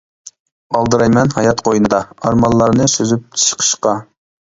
ئالدىرايمەن ھايات قوينىدا، ئارمانلارنى سۈزۈپ چىقىشقا.